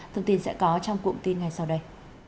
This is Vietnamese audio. thông tin sẽ có trong cụm tin ngay sau đây